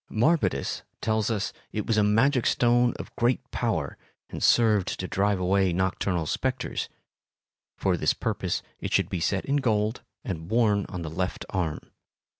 Marbodus tells us it was a magic stone of great power and served to drive away nocturnal spectres; for this purpose it should be set in gold and worn on the left arm.